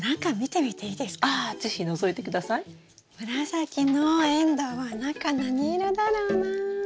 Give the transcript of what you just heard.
紫のエンドウは中何色だろうな？